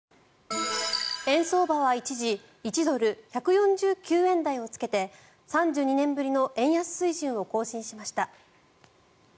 円相場は一時１ドル＝１４９円台をつけて３２年ぶりの円安水準を更新しました。